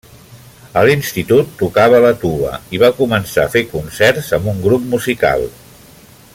A l'institut tocava la tuba i va començar a fer concerts amb un grup musical.